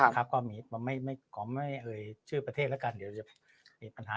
ก็มีขอไม่เชื่อประเทศแล้วกันเดี๋ยวจะเห็นปัญหา